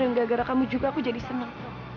dan gara gara kamu juga aku jadi senang